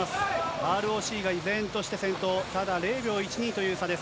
ＲＯＣが依然として先頭、まだ０秒１２という差です。